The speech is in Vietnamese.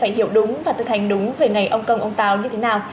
vậy cần phải hiểu đúng và thực hành đúng về ngày ông công ông táo như thế nào